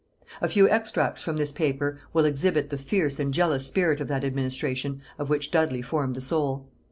A few extracts from this paper will exhibit the fierce and jealous spirit of that administration of which Dudley formed the soul.